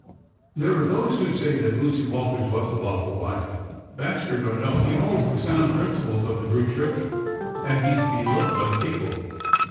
There are those who say that Lucy Walters was a lawful wife. Bastard or no, he holds the sound principles of the true Church, and he is beloved by the people.